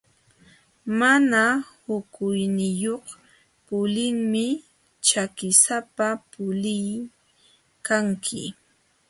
Mana hukuyniyuq pulilmi ćhakisapa puliykanki.